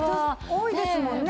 多いですもんね